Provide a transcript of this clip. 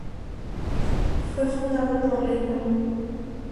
Fue fundada por Ley No.